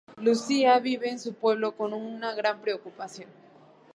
Lucía vive en su pueblo con una gran preocupación.